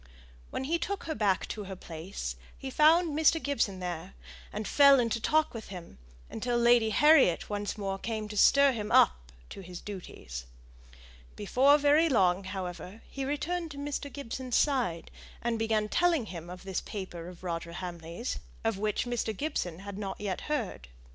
When he took her back to her place, he found Mr. Gibson there, and fell into talk with him, until Lady Harriet once more came to stir him up to his duties. Before very long, however, he returned to Mr. Gibson's side, and began telling him of this paper of Roger Hamley's, of which Mr. Gibson had not yet heard.